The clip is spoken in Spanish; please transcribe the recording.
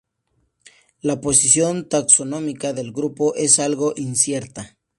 La posición taxonómica del grupo es algo incierta.